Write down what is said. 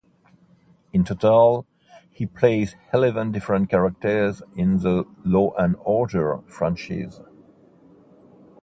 In total, he plays eleven different characters in the "Law and Order" franchise.